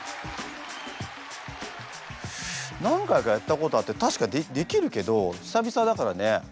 何回かやったことあって確かできるけど久々だからね。